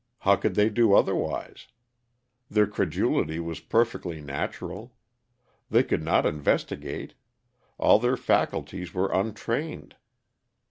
How could they do otherwise? Their credulity was perfectly natural. They could not investigate; all their faculties were untrained.